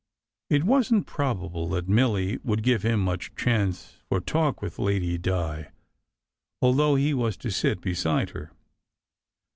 It wasn t probable that Milly would give him much chance for talk with Lady Di, although he was to sit beside her.